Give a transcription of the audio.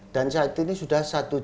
dan saat ini sudah